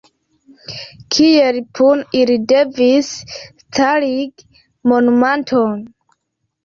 Kiel puno ili devis starigi monumenton.